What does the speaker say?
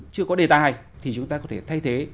chưa có đề tài thì chúng ta có thể thay thế